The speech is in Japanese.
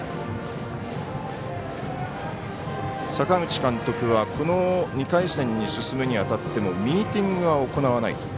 阪口監督はこの２回戦に進むにあたってもミーティングは行わない。